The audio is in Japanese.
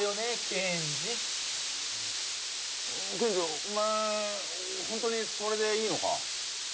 ケンジケンジお前ホントにそれでいいのか？